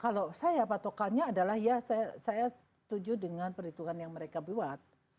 kalau saya patokannya adalah ya saya setuju dengan perhitungan yang mereka buat